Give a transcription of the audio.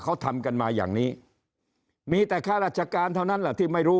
เขาทำกันมาอย่างนี้มีแต่ข้าราชการเท่านั้นแหละที่ไม่รู้